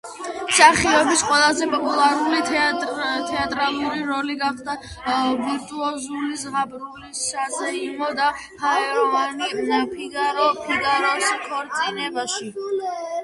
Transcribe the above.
მსახიობის ყველაზე პოპულარული თეატრალური როლი გახდა ვირტუოზული, ზღაპრული, საზეიმო და ჰაეროვანი ფიგარო „ფიგაროს ქორწინებაში“.